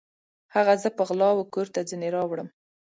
هغه زه په غلا وکور ته ځیني راوړم